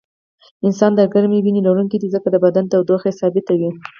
انسان د ګرمې وینې لرونکی دی ځکه د بدن تودوخه یې ثابته وي